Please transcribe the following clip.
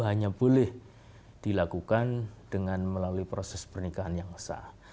hanya boleh dilakukan dengan melalui proses pernikahan yang sah